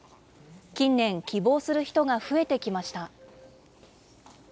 近年、希望する人が増えてきました。